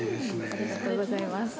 ありがとうございます。